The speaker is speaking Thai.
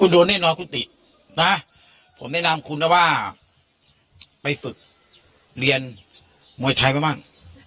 โดนแน่นอนคุณติผมแนะนำคุณนะไปฝึกเรียนมวยไทยไงบ้าง